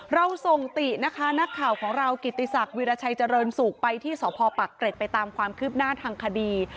เราส่งตินะคะนักข่าวของเรากิติศักดิราชัยเจริญสุขไปที่สพปักเกร็ดไปตามความคืบหน้าทางคดี